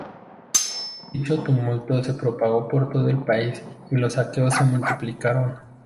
Dicho tumulto se propagó por todo el país y los saqueos se multiplicaron.